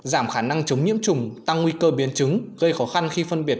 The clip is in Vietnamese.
giảm khả năng chống nhiễm trùng tăng nguy cơ biến chứng gây khó khăn khi phân biệt